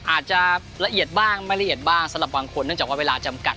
อาจจะละเอียดบ้างไม่ละเอียดบ้างสำหรับบางคนเนื่องจากว่าเวลาจำกัด